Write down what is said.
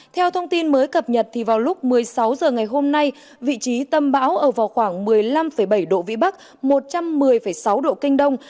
theo thông tin mới cập nhật vào lúc một mươi sáu h ngày hôm nay vị trí tâm bão ở vào khoảng một mươi năm bảy độ vĩ bắc một trăm một mươi sáu độ kinh đông